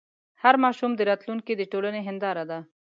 هر ماشوم د راتلونکي د ټولنې هنداره ده.